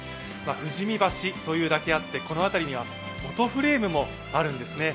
富士見橋というだけあって、この辺りにはフォトフレームもあるんですね。